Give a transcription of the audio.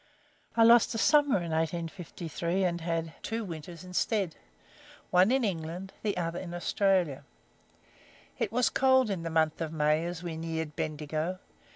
I lost a summer in 1853, and had two winters instead, one in England, the other in Australia. It was cold in the month of May as we neared Bendigo.